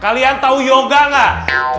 kalian tau yoga gak